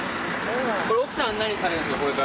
これ奥さんは何されるんですか？